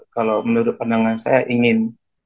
kalau menurut pandangan saya ingin